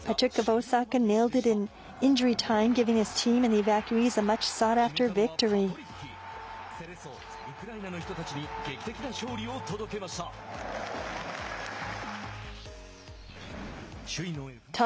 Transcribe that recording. ウクライナの人たちに劇的な勝利を届けました。